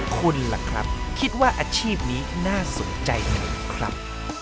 คุณล่ะครับคิดว่าอาชีพนี้น่าสนใจไหนครับ